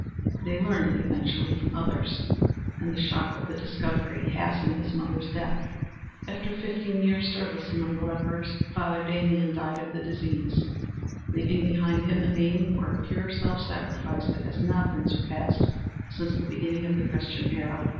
They learned it eventually from others, and the shock of the discovery hastened his mother's death. After fifteen years' service among the lepers Father Damien died of the disease, leaving behind him a name for pure self sacrifice that has not been surpassed since the beginning of the Christian era.